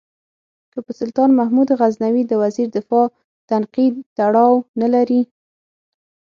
که په سلطان محمود غزنوي د وزیر دفاع تنقید تړاو نه لري.